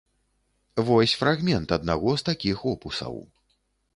Вось фрагмент аднаго з такіх опусаў.